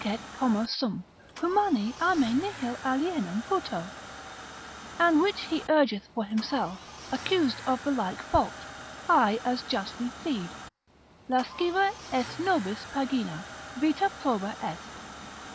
Homo sum, humani a me nihil alienum puto: And which he urgeth for himself, accused of the like fault, I as justly plead, lasciva est nobis pagina, vita proba est.